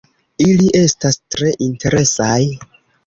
Ili estas tre interesaj